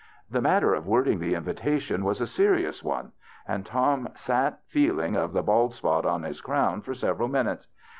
The matter of wording the invitation was a serious one, and Tom sat feeling of the bald spot on his crown for several minutes.